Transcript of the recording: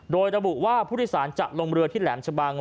โดยระบุว่าผู้โดยสารจะลงเรือที่แหลมชะบัง